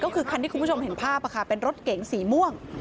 ก็คือคันที่คุณผู้ชมเห็นภาพเป็นรถเก๋งสีม่วง